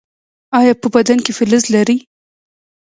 ایا په بدن کې فلز لرئ؟